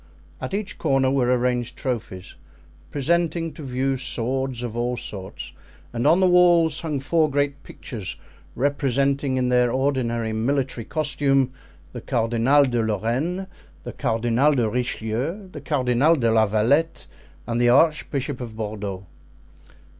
At each corner were arranged trophies, presenting to view swords of all sorts, and on the walls hung four great pictures representing in their ordinary military costume the Cardinal de Lorraine, the Cardinal de Richelieu, the Cardinal de la Valette, and the Archbishop of Bordeaux.